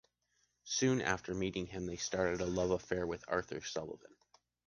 Soon after meeting him, they started a love affair with Arthur Sullivan.